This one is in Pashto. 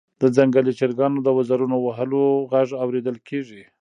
د ځنګلي چرګانو د وزرونو وهلو غږ اوریدل کیږي